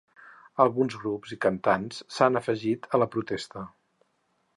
Alguns grups i cantants s’han afegit a la protesta.